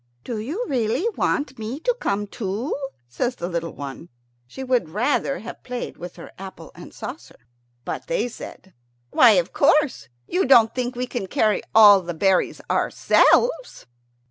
"Do you really want me to come too?" says the little one. She would rather have played with her apple and saucer. But they said, "Why, of course. You don't think we can carry all the berries ourselves!"